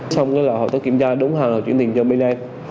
xong rồi họ tới kiểm tra đúng hàng rồi chuyển tiền cho bên em